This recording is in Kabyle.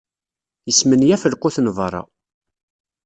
Yesmenyaf lqut n berra.